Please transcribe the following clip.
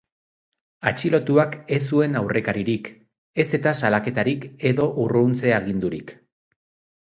Atxilotuak ez zuen aurrekaririk, ez eta salaketarik edo urruntze agindurik.